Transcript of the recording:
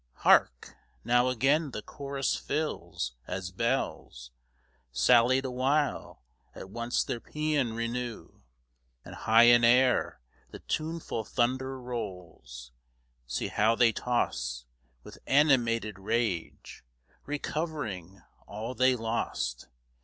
Hark! Now again the chorus fills. As bells, Sally'd awhile, at once their paean renew, And high in air the tuneful thunder rolls, See how they toss, with animated rage Recovering all they lost!